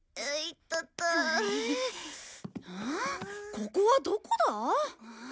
ここはどこだ？